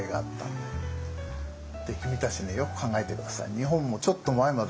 で君たちねよく考えて下さい。